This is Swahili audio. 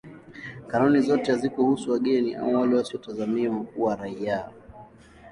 Kanuni zote hazikuhusu wageni au wale wasiotazamiwa kuwa raia.